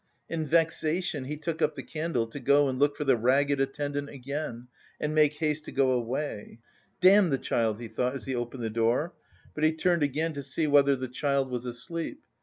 In vexation he took up the candle to go and look for the ragged attendant again and make haste to go away. "Damn the child!" he thought as he opened the door, but he turned again to see whether the child was asleep.